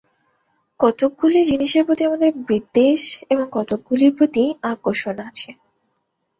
কতকগুলি জিনিষের প্রতি আমাদের বিদ্বেষ এবং কতকগুলির প্রতি আকর্ষণ আছে।